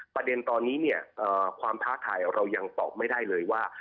ประเด็นตอนนี้เนี่ยความท้าทายเรายังตอบไม่ได้เลยว่า